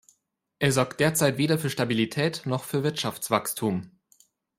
Er sorgt derzeit weder für Stabilität noch für Wirtschaftswachstum.